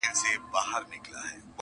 اره اره سي نجارانو ته ځي.!